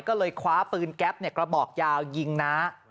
ก็เลยคว้าปืนแก๊ปกระบอกยาวยิงน้า